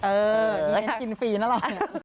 เออนี่กินฟรีน่ะล่ะ